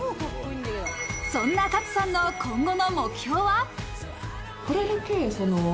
そんな勝さんの今後の目標は。